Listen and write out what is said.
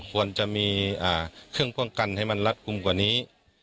ควรจะมีเครื่องป้องกันให้มันรัดกลุ่มกว่านี้